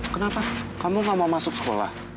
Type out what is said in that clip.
kenapa kamu gak mau masuk sekolah